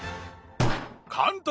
監督！